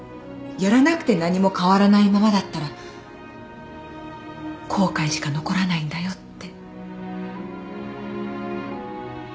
やらなくて何も変わらないままだったら後悔しか残らないんだよって。